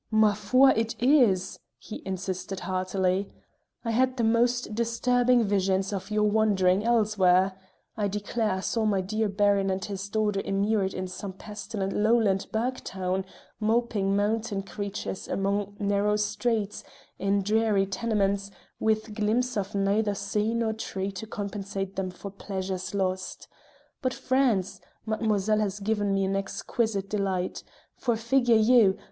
"Ma foi! it is," he insisted heartily. "I had the most disturbing visions of your wandering elsewhere. I declare I saw my dear Baron and his daughter immured in some pestilent Lowland burgh town, moping mountain creatures among narrow streets, in dreary tenements, with glimpse of neither sea nor tree to compensate them for pleasures lost. But France! Mademoiselle has given me an exquisite delight. For, figure you!